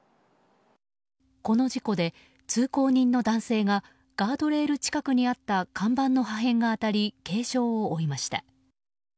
この事故で通行人の男性がガードレール近くにあった看板の破片が当たり軽傷を負いました。